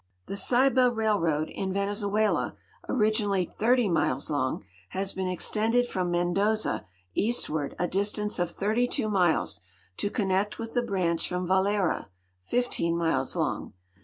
The Ceiba railroad, in Venezuela, originally 80 miles long, has been ex tended from i\[endoza eastward a distance of 82 miles, to connect with the branch from Valera, 15 miles long.